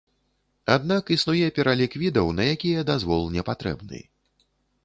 Аднак існуе пералік відаў, на якія дазвол не патрэбны.